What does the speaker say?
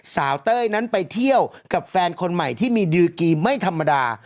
เต้ยนั้นไปเที่ยวกับแฟนคนใหม่ที่มีดีลกีไม่ธรรมดา